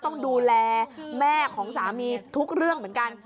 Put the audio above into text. ต้องดูแลแม่ของสามีทุกเรื่องเหมือนกัน